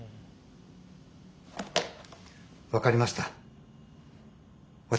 分かりました。